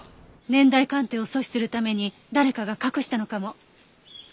年代鑑定を阻止するために誰かが隠したのかも。